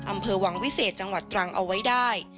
อำเภอวังวิเศษจังหวัดตรังเอาไว้ได้